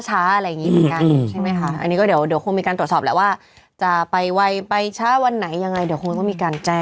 ใช่ไหมคะอันนี้ก็เดี๋ยวคงมีการตรวจสอบแล้วว่าจะไปไวไปช้าวันไหนยังไงเดี๋ยวคงก็มีการแจ้ง